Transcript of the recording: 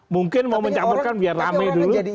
mungkin mau mencampurkan biar rame dulu